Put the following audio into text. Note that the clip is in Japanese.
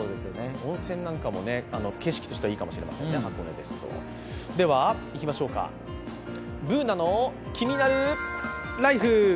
温泉なんかも景色としてはいいかもしれませんね、箱根ですと「ＢｏｏｎａのキニナルＬＩＦＥ」